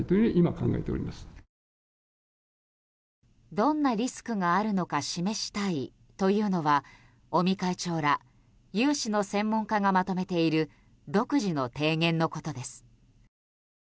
どんなリスクがあるのか示したいというのは尾身会長ら有志の専門家がまとめている独自の提言のことです。